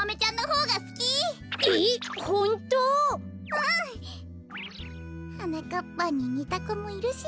うん！はなかっぱんににたこもいるし。